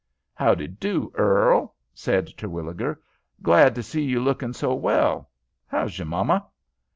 "Howdy do, Earl?" said Terwilliger. "Glad to see you looking so well. How's your mamma?"